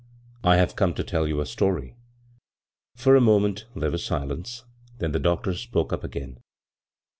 " I have come to tell you a story." For a moment there was silence, then the doctor spoke again.